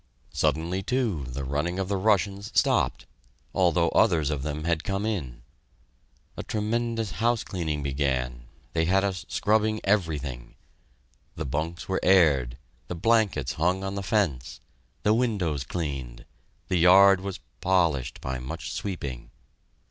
Suddenly, too, the running of the Russians stopped, although others of them had come in. A tremendous house cleaning began they had us scrubbing everything. The bunks were aired; the blankets hung on the fence; the windows cleaned; the yard was polished by much sweeping.